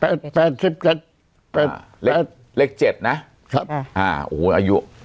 แปดแปดสิบเจ็ดแปดเล็กเล็กเจ็ดนะครับอ่าโอ้โหอายุ